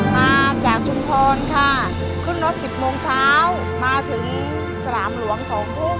มาจากชุมพรค่ะขึ้นรถสิบโมงเช้ามาถึงสนามหลวง๒ทุ่ม